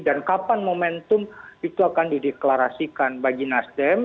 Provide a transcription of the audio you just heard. dan kapan momentum itu akan dideklarasikan bagi nasdem